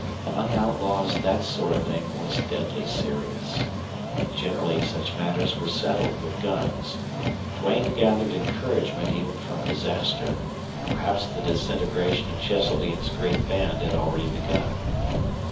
Among outlaws that sort of thing was deadly serious. Generally such matters were settled with guns. Duane gathered encouragement even from disaster. Perhaps the disintegration of Cheseldine's great band had already begun.